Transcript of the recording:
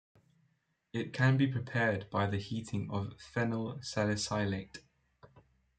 It can be prepared by the heating of phenyl salicylate.